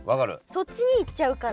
そっちに行っちゃうから。